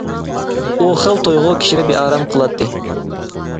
ئۇ خىل تۇيغۇ كىشىنى بىئارام قىلاتتى.